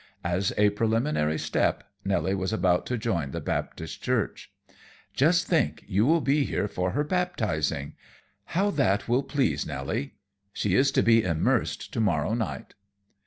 As a preliminary step, Nelly was about to join the Baptist church. "Just think, you will be here for her baptizing! How that will please Nelly! She is to be immersed to morrow night."